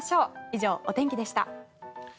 以上、お天気でした。